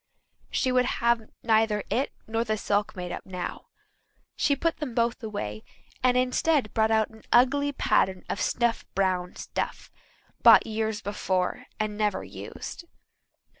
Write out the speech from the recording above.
She would have neither it nor the silk made up now. She put them both away and instead brought out an ugly pattern of snuff brown stuff, bought years before and never used.